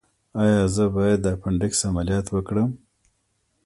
ایا زه باید د اپنډکس عملیات وکړم؟